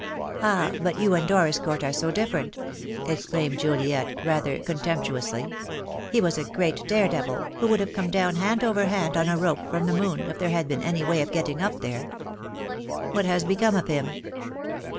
"Ah, but you and Doriscourt are so different," ex claimed Juliet, rather contemptuously. "He was a great dare devil, who would have come down hand over hand on a rope from the moon if there had been any way of getting up there." "What has become of him?"